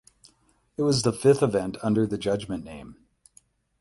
It was the fifth event under the Judgement name.